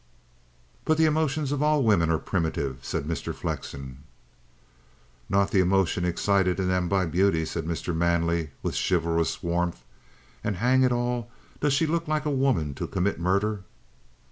"But the emotions of all women are primitive," said Mr. Flexen. "Not the emotion excited in them by beauty," said Mr. Manley with chivalrous warmth. "And, hang it all! Does she look like a woman to commit murder?"